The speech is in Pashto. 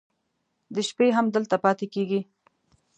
د شپې هم دلته پاتې کېږي.